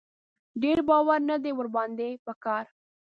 ډېر باور نه دی ور باندې په کار.